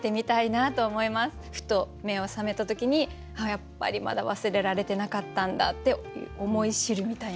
ふと目を覚めた時に「やっぱりまだ忘れられてなかったんだ」って思い知るみたいな。